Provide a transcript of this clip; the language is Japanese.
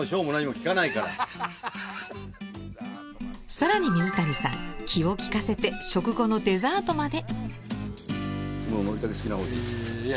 さらに水谷さん気を利かせて食後のデザートまで。